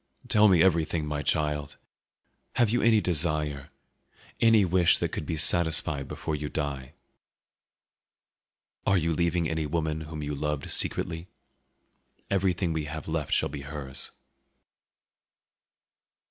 "Tell me everything, my child; have you any desire, any wish that could be satisfied before you die? Are you leaving any woman whom you loved secretly? Everything we have left shall be hers."